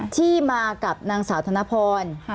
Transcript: ที่มากับนางสาวธนพร